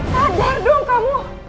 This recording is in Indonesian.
sadar dong kamu